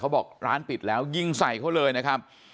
จังหวะนั้นได้ยินเสียงปืนรัวขึ้นหลายนัดเลย